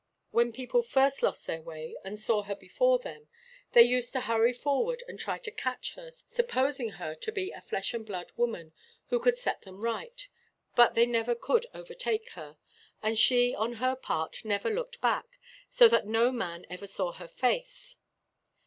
When people first lost their way, and saw her before them, they used to hurry forward and try to catch her, supposing her to be a flesh and blood woman, who could set them right; but they never could overtake her, and she on her part never looked back; so that no man ever saw her face.